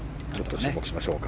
注目しましょうか。